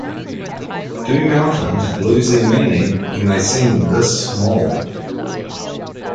Do mountains lose their meaning when they seem this small?